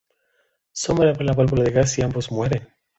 Sommer abre la válvula del gas y ambos mueren.